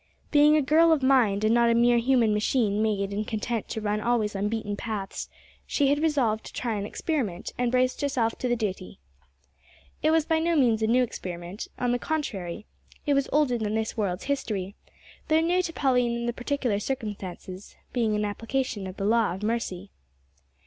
Being a girl of mind, and not a mere human machine made and content to run always on beaten paths, she had resolved to try an experiment, and braced herself to the duty. It was by no means a new experiment; on the contrary, it was older than this world's history, though new to Pauline in the particular circumstances being an application of the law of mercy.